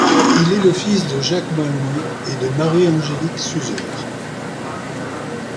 Il est le fils de Jacques Malouin et de Marie-Angélique Suzor.